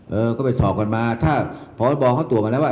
เออก็ไปสอบกันมาถ้าพรบเขาตรวจมาแล้วว่า